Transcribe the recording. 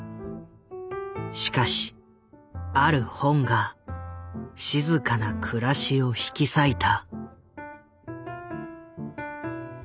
しかしある本が静かな暮らしを引き裂いた。